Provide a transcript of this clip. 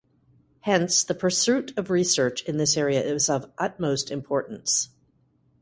Hence, the pursuit of research in this area is of utmost importance.